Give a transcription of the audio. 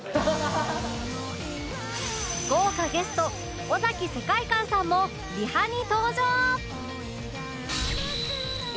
豪華ゲスト尾崎世界観さんもリハに登場！